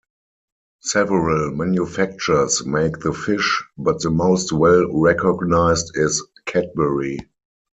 Several manufacturers make the fish, but the most well-recognised is Cadbury.